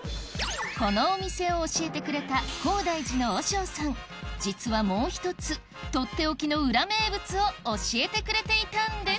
このお店を教えてくれた高台寺の和尚さん実はもう１つとっておきの裏名物を教えてくれていたんです